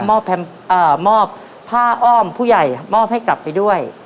มอบผ้าอ้อมผู้ใหญ่มอบให้กลับไปด้วย